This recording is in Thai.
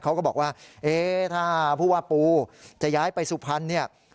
เขาก็บอกว่าถ้าผู้ว่าปูจะย้ายไปสุพรรณ